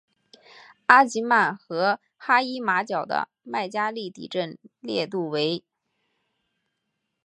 阿吉曼和哈伊马角的麦加利地震烈度为。